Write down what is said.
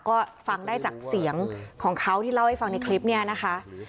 ก็ฟังได้จากเสียงของเขาที่เล่าให้ฟังในคลิปนี้นะคะ